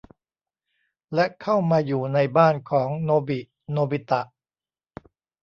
และเข้ามาอยู่ในบ้านของโนบิ โนบิตะ